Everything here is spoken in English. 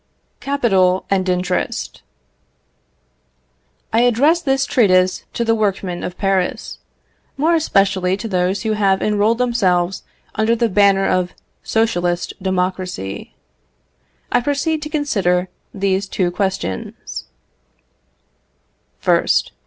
Capital and Interest. I address this treatise to the workmen of Paris, more especially to those who have enrolled themselves under the banner of Socialist democracy. I proceed to consider these two questions: 1st.